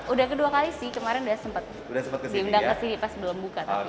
udah kedua kali sih kemarin udah sempat diundang ke sini pas belum buka tapi